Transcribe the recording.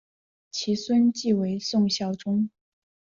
其孙即为宋孝宗。